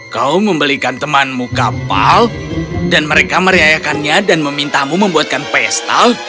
kau membelikan temanmu kapal dan mereka merayakannya dan memintamu membuatkan pesta